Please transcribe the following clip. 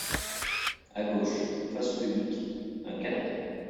À gauche, face au public, un canapé.